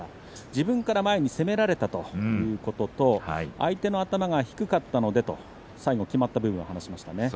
自分から前に攻められたということと相手の頭が低かったので最後きまったということを話しています。